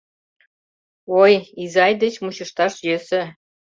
— Ой, изай деч мучышташ йӧсӧ.